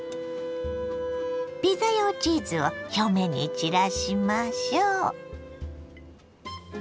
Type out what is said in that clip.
ピザ用チーズを表面に散らしましょう。